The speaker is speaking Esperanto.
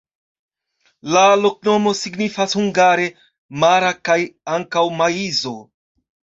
La loknomo signifas hungare: mara kaj ankaŭ maizo.